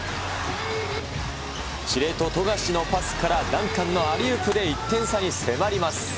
司令塔、富樫のパスから、ダンカンのアリウープで１点差に迫ります。